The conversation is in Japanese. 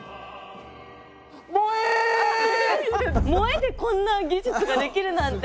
萌えでこんな技術ができるなんて。